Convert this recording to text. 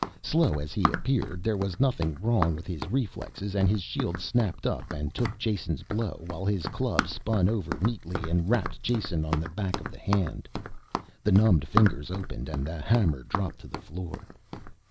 Slow as he appeared, there was nothing wrong with his reflexes and his shield snapped up and took Jason's blow while his club spun over neatly and rapped Jason on the back of the hand: the numbed fingers opened and the hammer dropped to the floor.